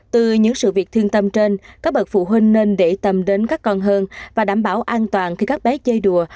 từ những sự việc thương tâm trên các bậc phụ huynh nên để tâm đến các con hơn và đảm bảo an toàn khi các bé chơi đùa